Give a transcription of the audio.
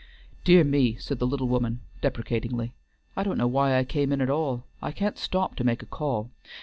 "Dear me," said the little woman deprecatingly. "I don't know why I came in at all. I can't stop to make a call.